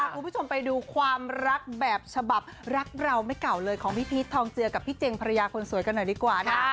คุณผู้ชมไปดูความรักแบบฉบับรักเราไม่เก่าเลยของพี่พีชทองเจือกับพี่เจงภรรยาคนสวยกันหน่อยดีกว่านะ